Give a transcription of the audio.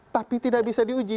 tapi tidak bisa diuji